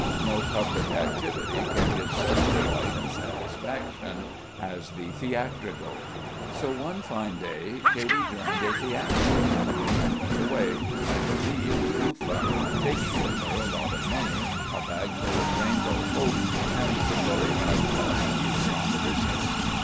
No public activity can give such delight and satisfaction as the theatrical. So one fine day Katy joined a theatrical company and went away, I believe, to Ufa, taking with her a lot of money, a bagful of rainbow hopes, and some very high class views on the business.